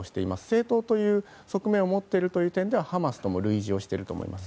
政党という側面を持っている点ではハマスとも類似していると思います。